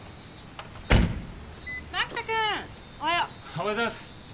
おはようございます。